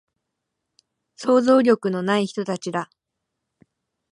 想像力のない人たちだ